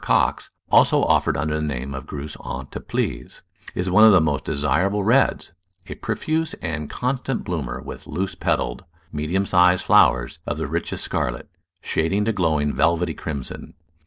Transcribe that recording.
Coxe — also offered under the name of Grass an Teplitz — is one of the most desirable reds; a profuse and constant bloomer with loose petalled, medium sized flowers of the richest scarlet, shading to glowing velvety crimson.